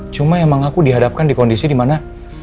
cuma emang aku dihadapkan di kondisi dimana